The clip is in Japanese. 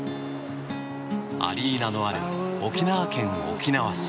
アリーナのある沖縄県沖縄市